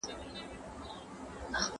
د ډاله ږغ له ليري ښه خوند کوي